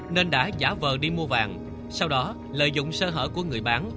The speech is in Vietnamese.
nên đã giả vờ đi mua vàng sau đó lợi dụng sơ hở của người bán